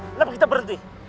kenapa kita berhenti